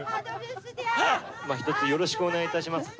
一つ、よろしくお願いいたします。